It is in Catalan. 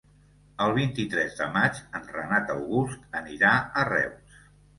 El vint-i-tres de maig en Renat August anirà a Reus.